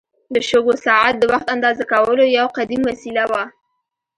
د شګو ساعت د وخت اندازه کولو یو قدیم وسیله وه.